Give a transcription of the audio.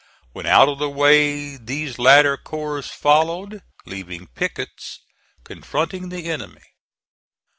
When out of the way these latter corps followed, leaving pickets confronting the enemy.